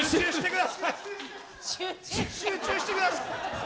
集中してください！